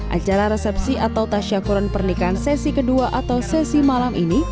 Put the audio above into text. acara resepsi atau tasya kurun pernikahan sesi kedua atau sesi malam ini